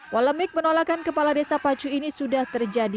polemik penolakan kepala desa pacu ini sudah terjadi